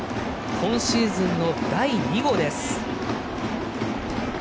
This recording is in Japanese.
今シーズンの第２号です。